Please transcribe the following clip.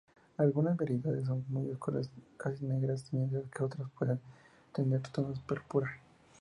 Algunas variedades son muy oscuras, casi negras, mientras que otras pueden tener tonos púrpura.